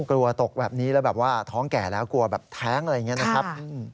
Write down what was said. ตกแบบนี้แล้วแบบว่าท้องแก่แล้วกลัวแบบแท้งอะไรอย่างนี้นะครับ